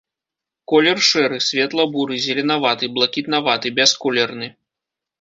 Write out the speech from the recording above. Колер шэры, светла-буры, зеленаваты, блакітнаваты, бясколерны.